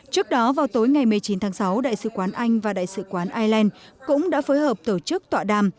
trước đó vào tối ngày một mươi chín tháng sáu đại sứ quán anh và đại sứ quán ireland cũng đã phối hợp tổ chức tọa đàm